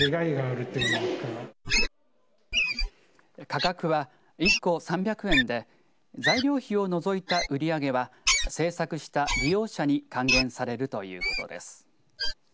価格は１個３００円で材料費を除いた売り上げは製作した利用者に還元されるということです。